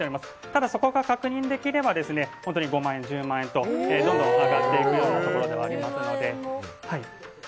ただ、そこが確認できれば５万円、１０万円とどんどん上がっていくところではありますので。